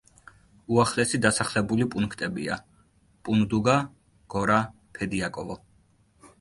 უახლოესი დასახლებული პუნქტებია: პუნდუგა, გორა, ფედიაკოვო.